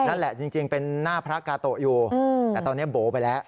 นั่นแหละจริงเป็นหน้าพระกาโตะอยู่แต่ตอนนี้โบ๋ไปแล้ว